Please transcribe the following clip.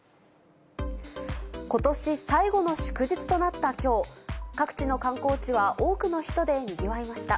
ことし最後の祝日となったきょう、各地の観光地は多くの人でにぎわいました。